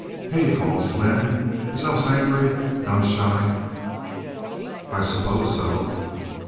"Hey," called Slim, "is El Sangre gun shy?" "I suppose so."